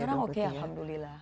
sekarang oke alhamdulillah